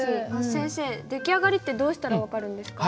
先生出来上がりってどうしたら分かるんですか？